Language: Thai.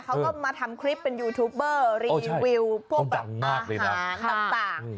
เขาก็มาทำคลิปเป็นยูทูปเบอร์รีวิวพวกแบบต่าง